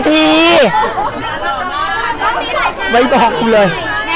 ถือสิ่งที่ก็มากกูเลย